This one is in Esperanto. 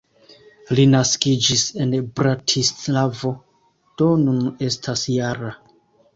Li naskiĝis en Bratislavo, do nun estas -jara.